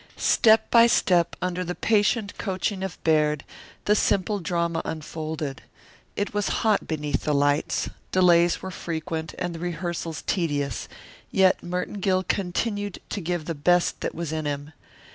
Step by step, under the patient coaching of Baird, the simple drama unfolded. It was hot beneath the lights, delays were frequent and the rehearsals tedious, yet Merton Gill continued to give the best that was in him.